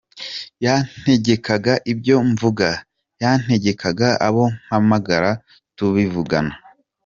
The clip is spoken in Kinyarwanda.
Yantegekaga ibyo mvuga, yantegekaga abo mpamagara tukabivugana.